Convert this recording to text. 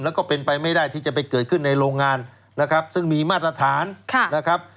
แล้วก็เป็นไปไม่ได้ที่จะไปเกิดขึ้นในโรงงานนะครับซึ่งมีมาตรฐานนะครับ